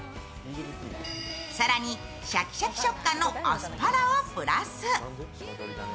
さらに、シャキシャキ食感のアスパラをプラス。